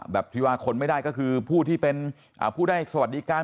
ที่ว่าคนไม่ได้ก็คือผู้ที่เป็นผู้ได้สวัสดิการ